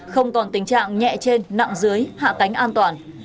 không còn tình trạng nhẹ trên nặng dưới hạ cánh an toàn